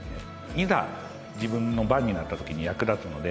いざ自分の番になったときに役立つので